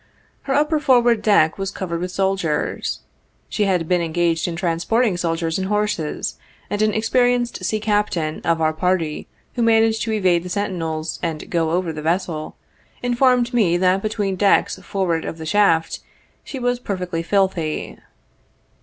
Her upper forward deck was covered with soldiers. She had been engaged in transporting soldiers and horses, and an ex perienced sea captain of our party, who managed to evade the sentinels and go over the vessel, informed me that between decks forward of the shaft, she was perfectly filthy.